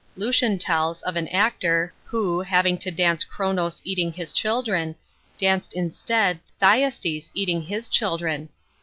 Lucian tells of an actor, who, having to dance Cronos eating his children, danced instead Thyestes eating his children.